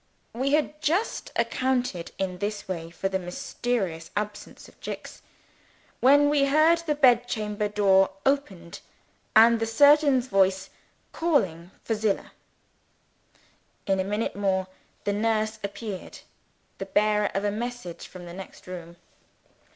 We had just accounted in this way for the mysterious absence of Jicks, when we heard the bed chamber door opened, and the surgeon's voice calling for Zillah. In a minute more the nurse appeared, the bearer of a message from the next room.